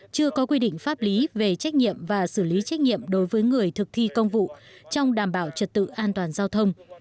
chưa có quy định pháp lý về trách nhiệm và xử lý trách nhiệm đối với người thực thi công vụ trong đảm bảo trật tự an toàn giao thông